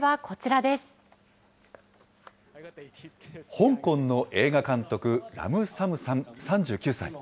香港の映画監督、ラム・サムさん３９歳。